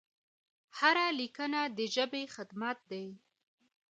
هره لیکنه د ژبې خدمت دی.